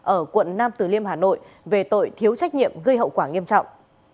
ở quận nam từ liêm hà nội về tội thiếu trách nhiệm gây hậu quả nghiêm trọng